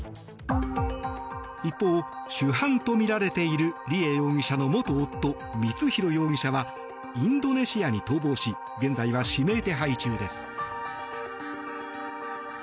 一方、主犯とみられている梨恵容疑者の元夫、光弘容疑者はインドネシアに逃亡し現在は指名手配中です。